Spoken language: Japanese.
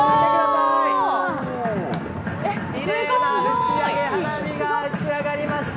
きれいな打ち上げ花火が打ち上がりました。